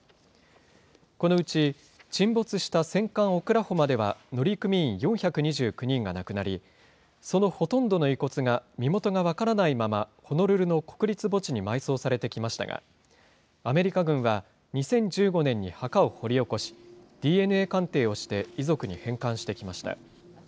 このうち、沈没した戦艦オクラホマでは乗組員４２９人が亡くなり、そのほとんどの遺骨が身元が分からないまま、ホノルルの国立墓地に埋葬されてきましたが、アメリカ軍は、２０１５年に墓を掘り起こし、ＤＮＡ鑑定をして、遺族に返還してきました。